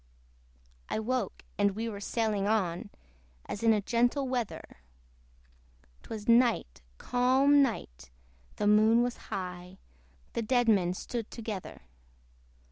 I woke, and we were sailing on As in a gentle weather: 'Twas night, calm night, the Moon was high; The dead men stood together.